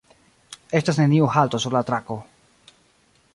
Estas neniu halto sur la trako.